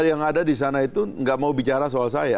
yang ada di sana itu nggak mau bicara soal saya